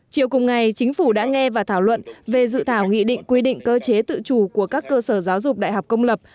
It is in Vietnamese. chiều cùng ngày chính phủ đã nghe và thảo luận về dự thảo nghị định quy định cơ chế tự chủ của các cơ sở giáo dục đại học công lập